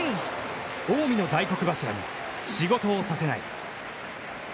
近江の大黒柱に仕事をさせない。